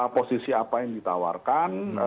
posisi apa yang ditawarkan